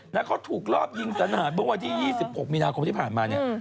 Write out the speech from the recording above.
แล้วเขาถูกรอบยิงสนานเมื่อวันที่๒๖มีนาคมที่ผ่านมาเนี่ย